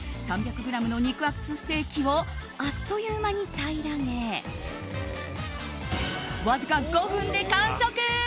３００ｇの肉厚ステーキをあっという間に平らげわずか５分で完食。